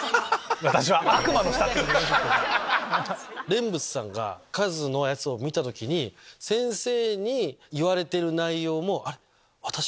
蓮佛さんがカズのやつを見た時に先生に言われてる内容も。